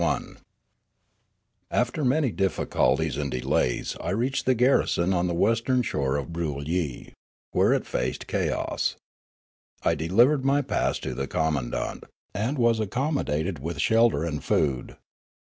A AFTER many difficulties and delays I reached the garrison on the western shore of Broolyi, where it faced Kayoss. I delivered my pass to the com mandant, and was accommodated with shelter and food.